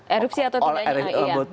erupsi atau tidak